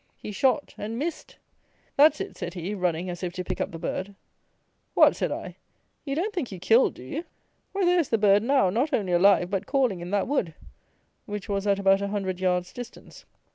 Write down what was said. He shot and missed. "That's it," said he, running as if to pick up the bird. "What!" said I, "you don't think you killed, do you? Why there is the bird now, not only alive, but calling in that wood;" which was at about a hundred yards distance.